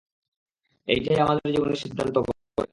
এইটাই আমাদের জীবনের সিদ্ধান্ত করে।